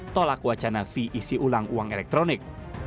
tolak wacana fee isi ulang uang elektronik